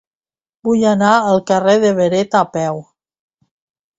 Vull anar al carrer de Beret a peu.